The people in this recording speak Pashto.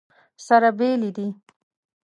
سره بېلې دي.